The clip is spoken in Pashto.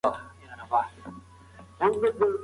کله چي ډيموکراسي رامنځته سوه خلګو سياسي پوهه ترلاسه کړه.